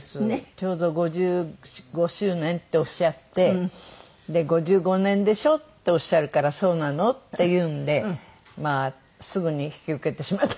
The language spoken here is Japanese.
「ちょうど５５周年」っておっしゃって「５５年でしょ？」っておっしゃるから「そうなの」って言うんでまあすぐに引き受けてしまった。